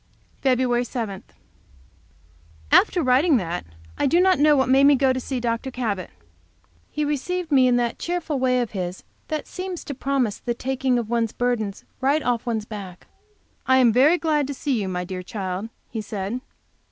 Feb. 7. After writing that, I do not know what made me go to see Dr. Cabot. He received me in that cheerful way of his that seems to promise the taking one's burden right off one's back. "I am very glad to see you, my dear child," he said.